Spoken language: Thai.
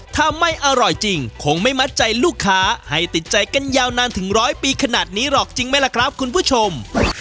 ถ้าไม่อร่อยจริงคงไม่มัดใจลูกค้าให้ติดใจกันยาวนานถึงร้อยปีขนาดนี้หรอกจริงไหมล่ะครับคุณผู้ชม